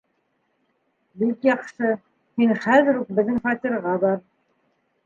— Бик яҡшы, һин хәҙер үк беҙҙең фатирға бар.